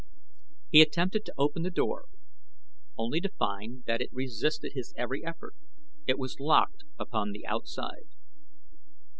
He attempted to open the door only to find that it resisted his every effort it was locked upon the outside.